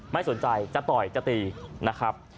ไม่สนใจจะต่อยจะตีนะครับ